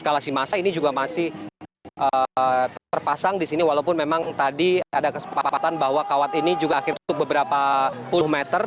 kalasimasa ini juga masih terpasang di sini walaupun memang tadi ada kesempatan bahwa kawat ini juga akhirnya ditutup beberapa puluh meter